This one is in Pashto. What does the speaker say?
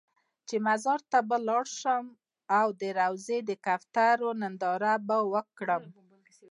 چې مزار ته به لاړ شم او د روضې د کوترو ننداره به وکړم.